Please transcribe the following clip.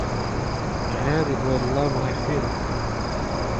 Graet he doa al labour hec'h-unan.